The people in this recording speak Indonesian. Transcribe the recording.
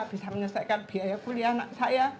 bisa menyelesaikan biaya kuliah anak saya